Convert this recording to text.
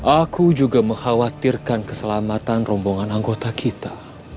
aku juga mengkhawatirkan keselamatan rombongan anggota kita